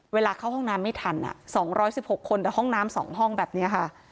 เวลาเข้าห้องน้ำไม่ทันอ่ะสองร้อยสิบหกคนแต่ห้องน้ำสองห้องแบบเนี้ยค่ะ